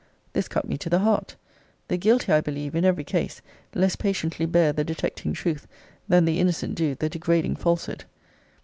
This cut me to the heart. The guilty, I believe, in every case, less patiently bear the detecting truth, than the innocent do the degrading falsehood.